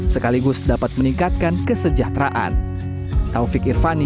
sekaligus dapat meningkatkan keterlibatan masyarakat dalam melakukan mitigasi perubahan iklim